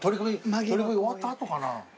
取組終わった後かな？